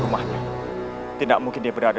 rumahnya tidak mungkin dia berada